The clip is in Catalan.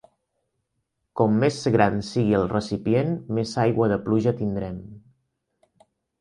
Com més gran sigui el recipient, més aigua de pluja tindrem.